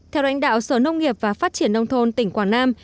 theo lãnh đạo sở nông nghiệp và phát triển nông thôn tỉnh quảng nam